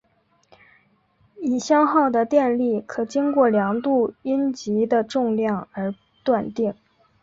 已消耗的电力可经过量度阴极的重量而断定。